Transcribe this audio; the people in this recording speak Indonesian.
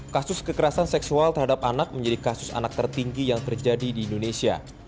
kasus kekerasan seksual terhadap anak menjadi kasus anak tertinggi yang terjadi di indonesia